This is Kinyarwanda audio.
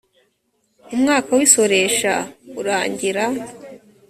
umwaka w’isoresha urangira